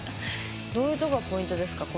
どういうとこがポイントですか？